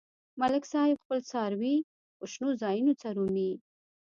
ملک صاحب خپل څاروي په شنو ځایونو څرومي.